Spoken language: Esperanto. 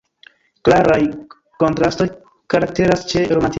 Klaraj kontrastoj karakteras ĉe romantismo.